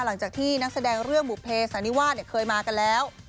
หลังจากที่นักแสดงเรื่องบุภเสันนิวาสเคยมากันแล้ว